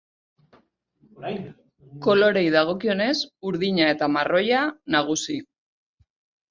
Koloreei dagokienez, urdina eta marroia nagusi.